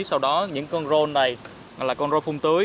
sau đó những con rôn này là con rôn phung tưới